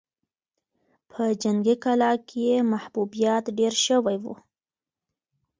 په جنګي کلا کې يې محبوبيت ډېر شوی و.